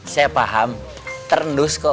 saya paham terendus kok